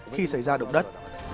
khi xảy ra động đất